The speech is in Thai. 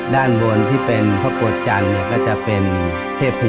ด้านบนที่เป็นพระบวชจันทร์ก็จะเป็นเทพยดาพนมมือ